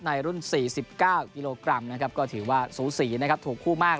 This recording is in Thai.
ในรุ่น๔๙กิโลกรัมนะครับก็ถือว่าสูสีนะครับถูกคู่มาก